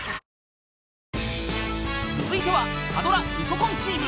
［続いては火ドラ『ウソ婚』チーム］